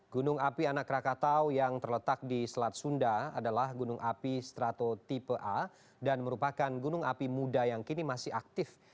gunung api anak rakatau yang terletak di selat sunda adalah gunung api strato tipe a dan merupakan gunung api muda yang kini masih aktif